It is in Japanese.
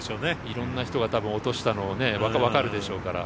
いろんな人が落としたのわかるでしょうから。